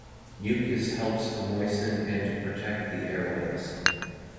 Mucus helps to moisten and protect the airways.